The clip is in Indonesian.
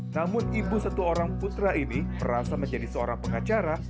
namun ibu satu orang putra ini merasa menjadi seorang pengacara